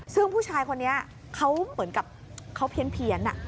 ซึ่งผู้ชายคนนี้เขาเหมือนกับเขาเพี้ยน